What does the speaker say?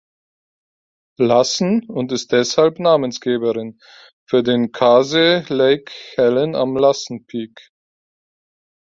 Lassen und ist deshalb Namensgeberin für den Karsee Lake Helen am Lassen Peak.